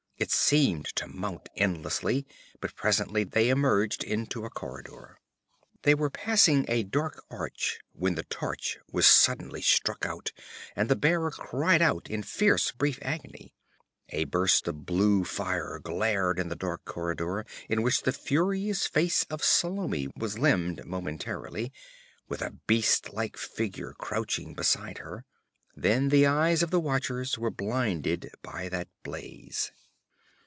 It seemed to mount endlessly, but presently they emerged into a corridor. They were passing a dark arch when the torch was suddenly struck out, and the bearer cried out in fierce, brief agony. A burst of blue fire glared in the dark corridor, in which the furious face of Salome was limned momentarily, with a beast like figure crouching beside her then the eyes of the watchers were blinded by that blaze.